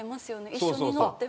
一緒に乗っても。